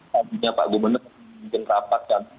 paginya pak gubernur mungkin rapat kan